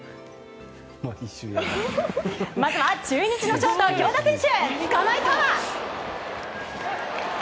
まずは中日のショート京田選手。